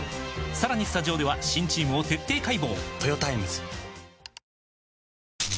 さらにスタジオでは新チームを徹底解剖！